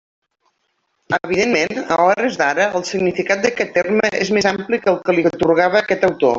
Evidentment, a hores d'ara, el significat d'aquest terme és més ampli que el que li atorgava aquest autor.